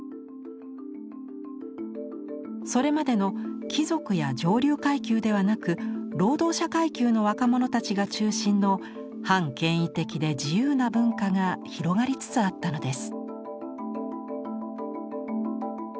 それまでの貴族や上流階級ではなく労働者階級の若者たちが中心の反権威的で自由な文化が広がりつつあったのです。